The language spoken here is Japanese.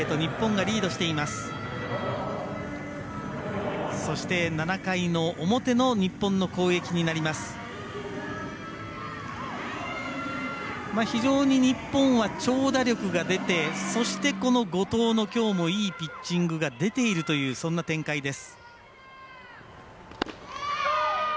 日本は長打力が出てそして、この後藤のきょうもいいピッチングが出ているというそんな展開です。